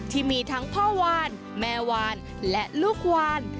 ที่มีทั้งพ่อวานแม่วานและลูกวาน